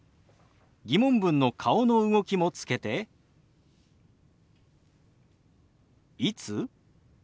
疑問文の顔の動きもつけて「いつ？」。